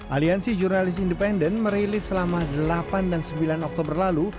aliansi jurnalis independen merilis selama delapan dan sembilan oktober lalu